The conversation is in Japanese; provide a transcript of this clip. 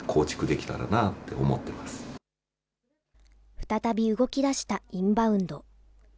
再び動き出したインバウンド。